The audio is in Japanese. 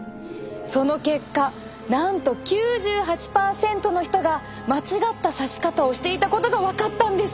その結果なんと９８％の人が間違ったさし方をしていたことが分かったんです！